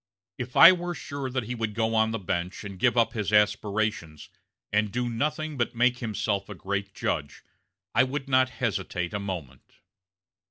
If I were sure that he would go on the bench and give up his aspirations, and do nothing but make himself a great judge, I would not hesitate a moment."